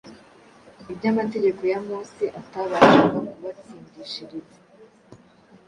ibyo amategeko ya Mose atabashaga kubatsindishiriza.”.